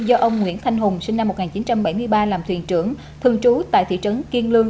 do ông nguyễn thanh hùng sinh năm một nghìn chín trăm bảy mươi ba làm thuyền trưởng thường trú tại thị trấn kiên lương